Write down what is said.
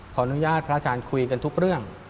ขออนุญาตพระอาจารย์คุยกันทุกเรื่อง